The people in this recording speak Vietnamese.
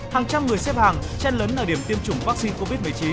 hàng trăm người xếp hàng chen lấn ở điểm tiêm chủng vaccine covid một mươi chín